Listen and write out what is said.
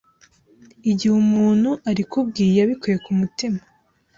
igihe umuntu arikubwiye abikuye ku mutima